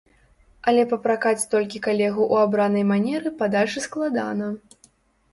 Але папракаць толькі калегу ў абранай манеры падачы складана.